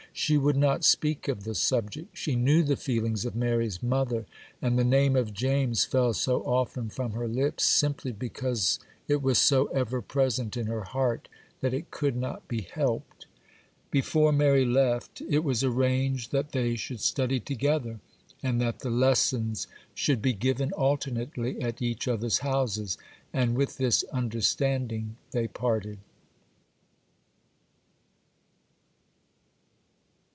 She would not speak of the subject: she knew the feelings of Mary's mother; and the name of James fell so often from her lips, simply because it was so ever present in her heart that it could not be helped. Before Mary left, it was arranged that they should study together, and that the lessons should be given alternately at each other's houses; and with this understanding they parted.